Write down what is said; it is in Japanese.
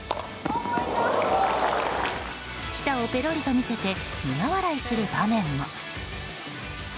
舌をぺろりと見せて苦笑いする場面も。